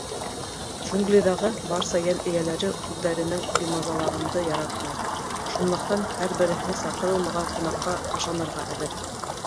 Джунглиҙағы барса йән эйәләре үҙҙәрен бимазалағанды яратмай, шунлыҡтан һәр береһе саҡырылмаған ҡунаҡҡа ташланырға әҙер.